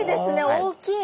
大きい。